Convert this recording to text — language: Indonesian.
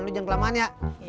lu jangan kelamaan ya